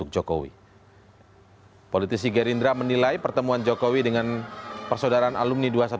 jokowi politisi gerindra menilai pertemuan jokowi dengan persaudaraan alumni dua ratus dua belas